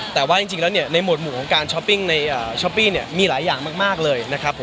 แต่ว่าจริงแล้วเนี่ยในหมวดหมู่ของการช้อปปิ้งในช้อปปี้เนี่ยมีหลายอย่างมากเลยนะครับ